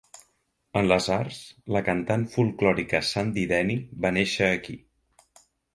En les arts, la cantant folklòrica Sandy Denny va néixer aquí.